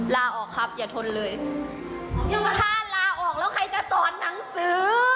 ลาออกครับอย่าทนเลยถ้าลาออกแล้วใครจะสอนหนังสือ